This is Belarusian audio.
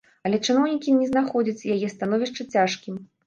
Але чыноўнікі не знаходзяць яе становішча цяжкім.